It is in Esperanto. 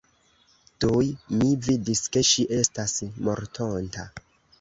Tuj mi vidis, ke ŝi estas mortonta.